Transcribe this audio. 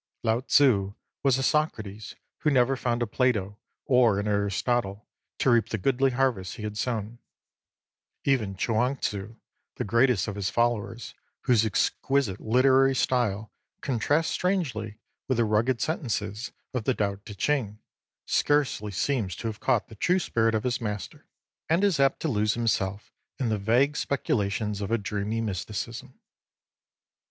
Lao Tzu was a Socrates who never found a Plato or an Aristotle to reap the goodly harvest he had sown ; even Chuang Tzu, the greatest of his followers, whose exquisite literary style contrasts strangely with the rugged sentences of the Tao Ti Ching, scarcely seems to have caught the true spirit of his Master, and is apt to lose 13 himself in the vague speculations of a dreamy mysticism.